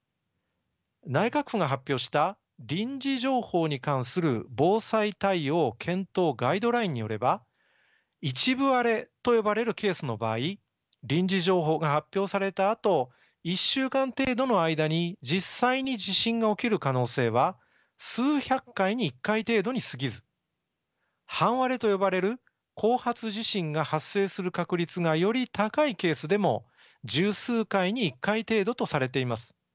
内閣府が発表した臨時情報に関する防災対応検討ガイドラインによれば一部割れと呼ばれるケースの場合臨時情報が発表されたあと１週間程度の間に実際に地震が起きる可能性は数百回に１回程度にすぎず半割れと呼ばれる後発地震が発生する確率がより高いケースでも十数回に１回程度とされています。